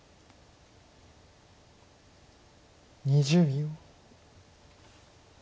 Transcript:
２０秒。